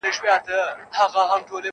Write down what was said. • پکښي غورځي د پلار وينه -